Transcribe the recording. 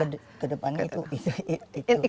mungkin ke depannya itu bisa